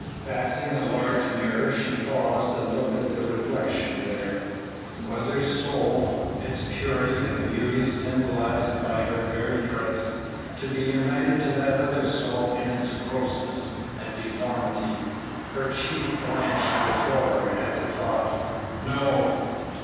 Passing a large mirror, she paused and looked at the reflection there. Was her soul, its purity and beauty symbolized by her very dress, to be united to that other soul in its grossness and deformity? Her cheek blanched with horror at the thought. No!